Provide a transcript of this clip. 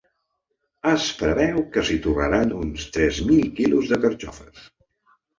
Es preveu que s’hi torraran uns tres mil quilos de carxofes.